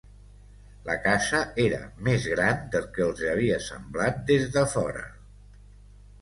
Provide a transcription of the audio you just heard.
La casa era més gran del que els havia semblat des de fora.